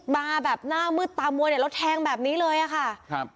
มาแบบหน้ามืดตามัวเนี่ยแล้วแทงแบบนี้เลยอ่ะค่ะครับ